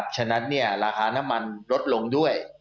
ฉะนั้นราคาน้ำมันลดลงด้วย